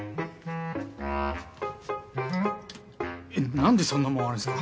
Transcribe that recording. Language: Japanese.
なんでそんなもんあるんですか？